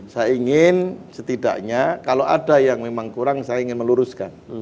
saya ingin setidaknya kalau ada yang memang kurang saya ingin meluruskan